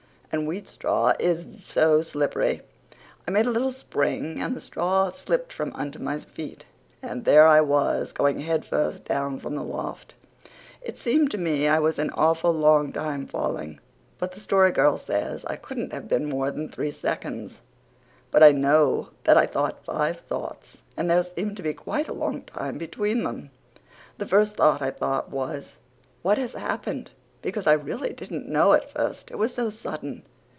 And wheat straw is so slippery. I made a little spring and the straw slipped from under my feet and there I was going head first down from the loft. It seemed to me I was an awful long time falling, but the Story Girl says I couldn't have been more than three seconds. But I know that I thought five thoughts and there seemed to be quite a long time between them. The first thing I thought was, what has happened, because I really didn't know at first, it was so sudden.